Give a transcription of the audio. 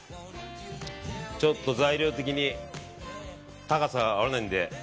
ちょっと材料的に高さが合わないので。